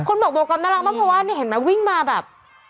บอกโบกัมน่ารักมากเพราะว่านี่เห็นไหมวิ่งมาแบบ